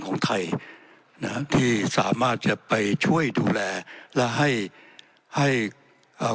ของไทยนะฮะที่สามารถจะไปช่วยดูแลและให้ให้อ่า